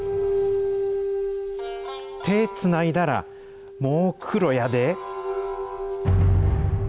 手、つないだら、もう黒やで。